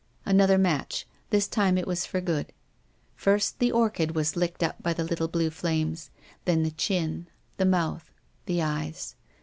Another match. This time it was for good. First the orchid was licked up by the little blue flames, then the chin, the mouth, the eyes.